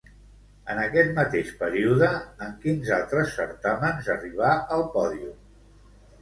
En aquest mateix període, en quins altres certàmens arribà al pòdium?